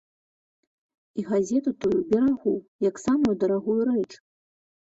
І газету тую берагу, як самую дарагую рэч.